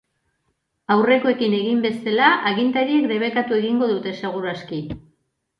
Aurrekoekin egin bezala, agintariek debekatu egingo dute seguru aski.